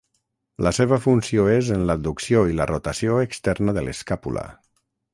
La seva funció és en l'adducció i la rotació externa de l'escàpula.